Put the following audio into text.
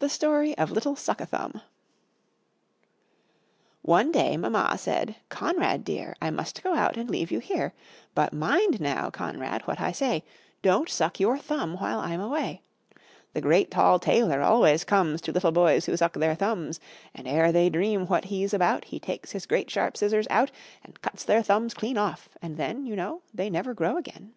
The Story of Little Suck a Thumb One day Mamma said "Conrad dear, I must go out and leave you here. But mind now, Conrad, what I say, Don't suck your thumb while I'm away. The great tall tailor always comes To little boys who suck their thumbs; And ere they dream what he's about, He takes his great sharp scissors out, And cuts their thumbs clean off and then, You know, they never grow again."